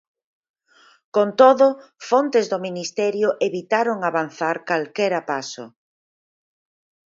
Con todo, fontes do Ministerio evitaron avanzar calquera paso.